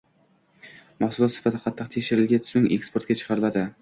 Mahsulot sifati qattiq tekshirilgach, so‘ng eksportga chiqariladi